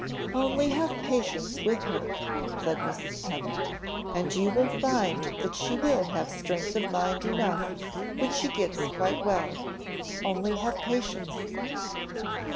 "Only have patience with her," said Mrs. Pennant, "and you will find that she will have strength of mind enough when she gets quite well. Only have patience."